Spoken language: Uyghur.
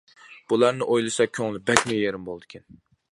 بۇلارنى ئويلىسا كۆڭلى بەكمۇ يېرىم بولىدىكەن.